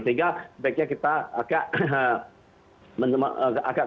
sehingga sebaiknya kita agak